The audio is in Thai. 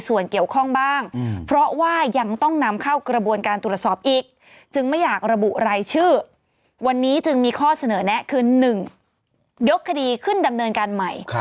วันนี้จึงมีข้อเสนอแนะคือ๑ยกคดีขึ้นดำเนินการใหม่